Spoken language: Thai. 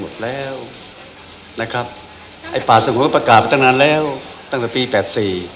หมดแล้วนะครับไอ้ป่าสงวนประกาศมาตั้งนานแล้วตั้งแต่ปีแปดสี่